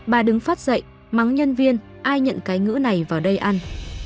bà đứng phát dậy mắng nhân viên ai nhận cái ngữ này vào đây ăn